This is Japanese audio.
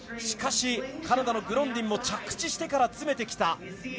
しかしカナダのグロンディンも着地してから詰めてきた。